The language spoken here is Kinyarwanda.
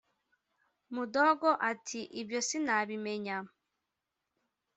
mudogo ati ibyo sinabimenya: